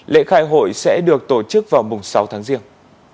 lễ khai hội sẽ được tổ chức vào mùng sáu tháng riêng